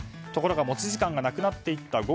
ところが持ち時間がなくなっていった